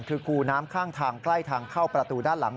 คือคูน้ำข้างทางใกล้ทางเข้าประตูด้านหลัง